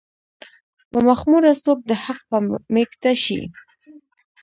چې مخموره څوک د حق په ميکده شي